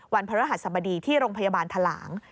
วันพระราธสมดีที่โรงพยาบาลทหาร